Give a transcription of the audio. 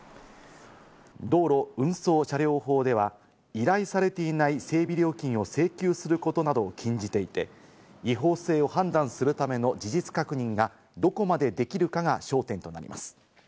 道路運送車両法では、依頼されていない整備料金を請求することなどを禁じていて、違法性を判断するための事実確認がどこまでできるかが焦点となります。